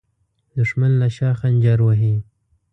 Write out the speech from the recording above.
دښمن له شا خنجر وهي